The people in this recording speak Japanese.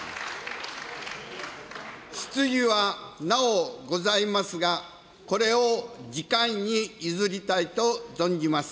質疑はなおございますが、これを次回に譲りたいと存じます。